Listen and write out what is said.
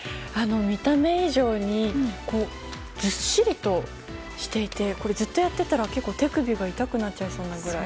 見た目以上にずっしりとしていてずっとやっていたら、手首が痛くなっちゃいそうなぐらい。